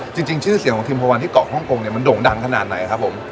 จริงชื่อเสียงของทีมพวันที่เกาะฮ่องกงเนี่ยมันโด่งดังขนาดไหนครับผม